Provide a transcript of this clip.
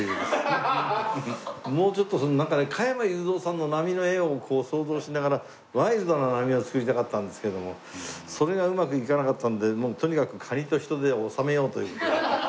もうちょっと加山雄三さんの波の絵を想像しながらワイルドな波を作りたかったんですけどもそれがうまくいかなかったんでもうとにかく。